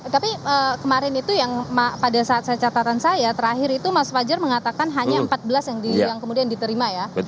tapi kemarin itu yang pada saat catatan saya terakhir itu mas fajar mengatakan hanya empat belas yang kemudian diterima ya